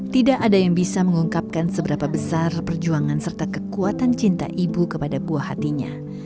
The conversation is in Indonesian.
tidak ada yang bisa mengungkapkan seberapa besar perjuangan serta kekuatan cinta ibu kepada buah hatinya